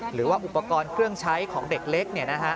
หรือว่าอุปกรณ์เครื่องใช้ของเด็กเล็ก